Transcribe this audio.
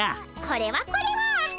これはこれは。